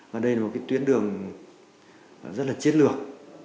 và đây là một cái tuyến đường rất là chiến lược